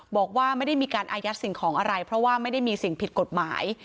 บอกว่าไม่ได้มีการอายัดสิ่งของอะไรเพราะว่าไม่ได้มีสิ่งผิดกฎหมาย